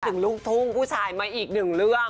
ลูกทุ่งผู้ชายมาอีกหนึ่งเรื่อง